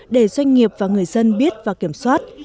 để doanh nghiệp và người dân biết và kiểm soát